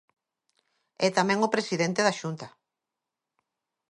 E tamén o presidente da Xunta.